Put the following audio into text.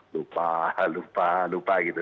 lupa lupa lupa gitu